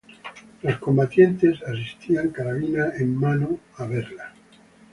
Los combatientes asistían carabina en mano a verla.